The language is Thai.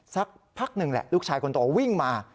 สักพักหนึ่งแหละลูกชายคนโตวิ่งมา